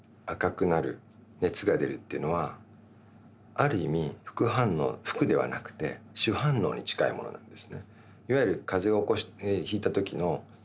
ある意味副反応副ではなくて主反応に近いものなんですね。